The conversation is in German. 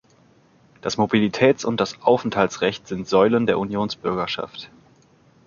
Das Mobilitäts- und das Aufenthaltsrecht sind Säulen der Unionsbürgerschaft.